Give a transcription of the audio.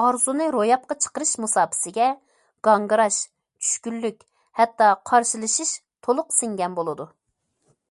ئارزۇنى روياپقا چىقىرىش مۇساپىسىگە گاڭگىراش، چۈشكۈنلۈك ھەتتا قارشىلىشىش تولۇق سىڭگەن بولىدۇ.